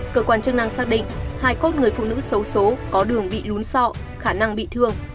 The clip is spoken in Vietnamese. cơ quan chức năng xác định hai cốt người phụ nữ xấu xố có đường bị lún sọ khả năng bị thương